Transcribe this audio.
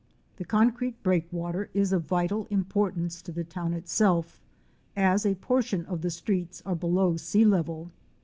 The concrete break water is of vital importance to the town itself as a portion of the streets are below sea level.